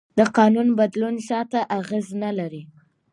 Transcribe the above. د قانون بدلون شاته اغېز نه لري.